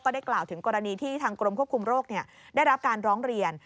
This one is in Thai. ได้กล่าวถึงกรณีที่ทางกรมควบคุมโรคได้รับการร้องเรียน